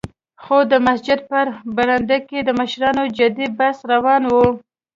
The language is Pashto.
خو د مسجد په برنډه کې د مشرانو جدي بحث روان و.